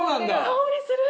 香りする！